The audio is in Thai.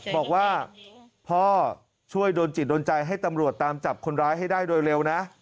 บอกว่าพ่อช่วยโดนจิตโดนใจให้ตำรวจตามจับคนร้ายให้ได้โดยเร็วนะ